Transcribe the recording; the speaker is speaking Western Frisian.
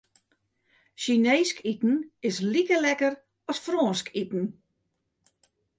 Sjineesk iten is like lekker as Frânsk iten.